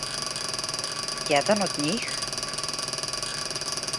Један од њих?